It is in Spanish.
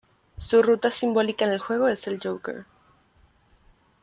Su ruta simbólica en el juego es el 'joker'.